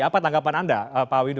apa tanggapan anda pak windu